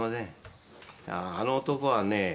いやあの男はね